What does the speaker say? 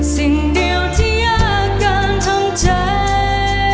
สิ่งเดียวที่ยากเกินทำใจ